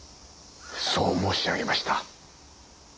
そう申し上げました。